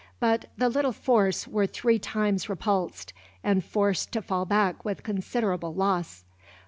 But the little force were three times repulsed, and forced to fall back with considerable loss.